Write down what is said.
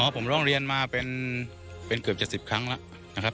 ผมลองเรียนมาเป็นเกือบจะ๑๐ครั้งแล้ว